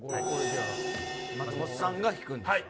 松本さんが引くんですか？